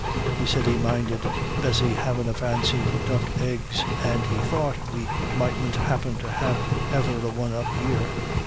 He said he minded Bessy havin' a fancy for duck eggs, and he thought we mightn't happen to have e'er a one up here.